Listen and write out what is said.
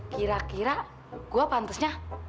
kira kira gua pantesnya